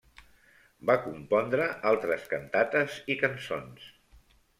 Va compondre altres cantates i cançons.